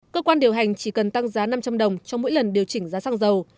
cơ quan điều hành chỉ cần tăng giá năm trăm linh đồng cho mỗi lần điều chỉnh giá xăng dầu